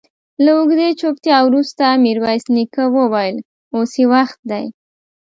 له اوږدې چوپتيا وروسته ميرويس نيکه وويل: اوس يې وخت دی.